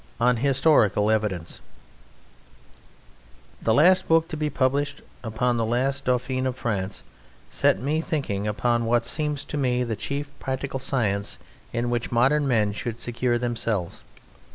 On Historical Evidence The last book to be published upon the last Dauphin of France set me thinking upon what seems to me the chief practical science in which modern men should secure themselves.